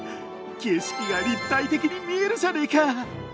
景色が立体的に見えるじゃねえか！